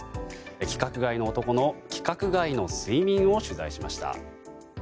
規格外の男の規格外の睡眠を取材しました。